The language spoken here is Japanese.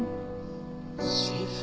シェフ。